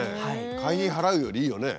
会費払うよりいいよね。